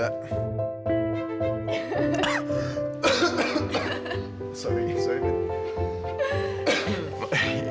udah lama banget aku ngerasain kayak gini